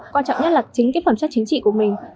quan trọng nhất là chính phẩm sách chính trị của mình